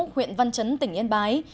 huyện văn chấn tỉnh yên bái